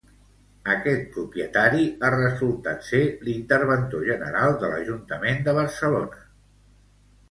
Aquest propietari ha resultat ser l'interventor general de l'Ajuntament de Barcelona.